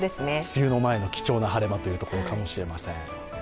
梅雨の前に貴重な晴れ間というところかもしれません。